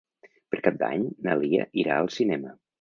Per Cap d'Any na Lia irà al cinema.